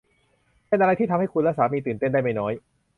เป็นอะไรที่ทำให้คุณและสามีตื่นเต้นได้ไม่น้อย